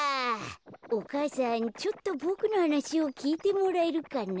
お母さんちょっとボクのはなしをきいてもらえるかな。